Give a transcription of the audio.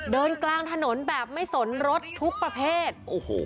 เดินกลางถนนแบบไม่สนรถทุกประเภทโอ้โห